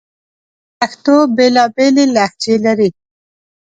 پښتو بیلابیلي لهجې لري